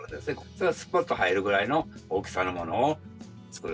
それがすぽっと入るぐらいの大きさのものを作る。